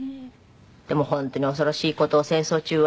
でも本当に恐ろしい事を戦争中は。